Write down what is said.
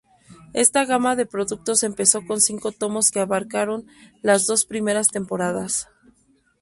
Esta gama de productos empezó con cinco tomos que abarcaron las dos primeras temporadas.